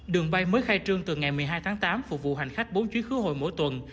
đường bay mới khai trương từ ngày một mươi hai tháng tám phục vụ hành khách bốn chuyến khứa hội mỗi tuần